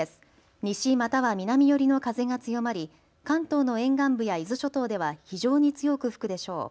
西または南寄りの風が強まり関東の沿岸部や伊豆諸島では非常に強く吹くでしょう。